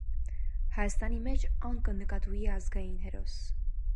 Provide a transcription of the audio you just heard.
Հայաստանի մէջ ան կը նկատուի ազգային հերոս։